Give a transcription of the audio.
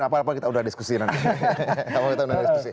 apa apa kita udah diskusiin